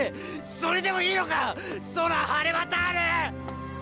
それでもいいのか⁉ソラ・ハレワタール！